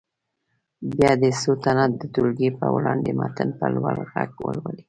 بیا دې څو تنه د ټولګي په وړاندې متن په لوړ غږ ولولي.